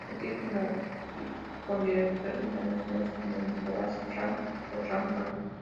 Así como con directores internacionales como Nicholas Ray o Anthony Mann.